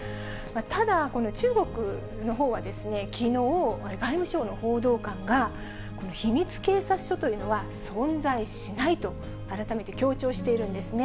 ただ、この中国のほうは、きのう、これ、外務省の報道官が、秘密警察署というのは存在しないと、改めて強調しているんですね。